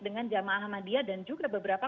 dengan jamaah ahmadiyah dan juga beberapa